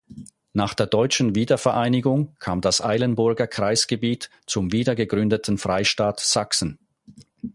Nach der Deutschen Wiedervereinigung kam das Eilenburger Kreisgebiet zum wiedergegründeten Freistaat Sachsen.